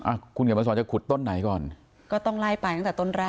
อ่ะคุณเขียนมาสอนจะขุดต้นไหนก่อนก็ต้องไล่ไปตั้งแต่ต้นแรก